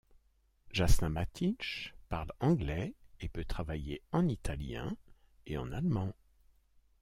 Jasna Matić parle anglais et peut travailler en italien et en allemand.